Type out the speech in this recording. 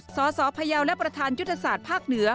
สสพยาวและประธานยุทธศาสตร์ภาคเหนือ